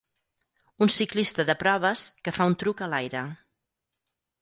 Un ciclista de proves que fa un truc a l'aire.